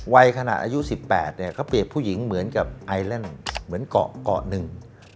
วัยขนาดอายุ๑๘เนี่ยเขาเปรียบผู้หญิงเหมือนกับไอแลนด์เหมือนเกาะเกาะหนึ่ง